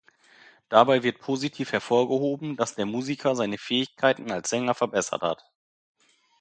Dabei wird positiv hervorgehoben, dass der Musiker seine Fähigkeiten als Sänger verbessert hat.